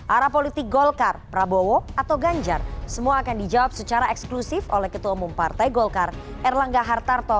arah politik golkar prabowo atau ganjar semua akan dijawab secara eksklusif oleh ketua umum partai golkar erlangga hartarto